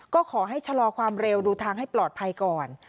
ก็ขอให้ชะลอความเร็วดูทางให้ปลอดภัยก่อน